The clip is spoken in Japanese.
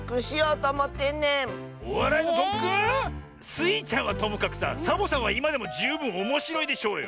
スイちゃんはともかくさサボさんはいまでもじゅうぶんおもしろいでしょうよ！